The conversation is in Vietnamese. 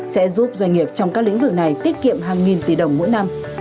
sẽ giúp doanh nghiệp trong các lĩnh vực này tiết kiệm hàng nghìn tỷ đồng mỗi năm